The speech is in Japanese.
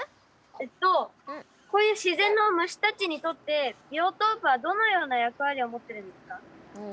えっとこういう自然の虫たちにとってビオトープはどのような役割を持ってるんですか？